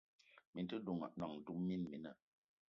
Mini te nòṅ duma mina mina